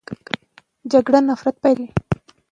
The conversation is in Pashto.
جګړه نفرت پیدا کوي